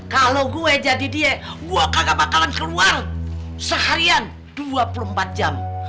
kalau gue jadi dia gue kagak bakalan keluar seharian dua puluh empat jam